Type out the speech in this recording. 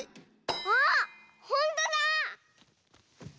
あっほんとだ！